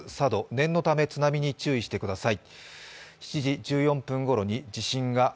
念のため津波に注意してください。